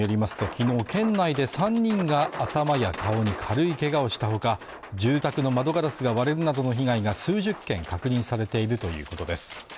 きのう県内で３人が頭や顔に軽いけがをしたほか住宅の窓ガラスが割れるなどの被害が数十件確認されているということです